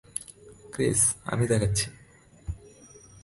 Chris, আমি দেখাচ্ছি।